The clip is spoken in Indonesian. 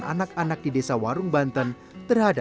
pembangunan daerah dan transmigrasi selama dua ribu lima belas